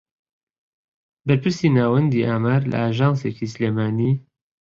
بەرپرسی ناوەندی ئامار لە ئاژانسێکی سلێمانی